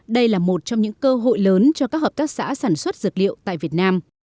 đây là một trong những cơ hội lớn cho các hợp tác xã sản xuất dược liệu tại việt nam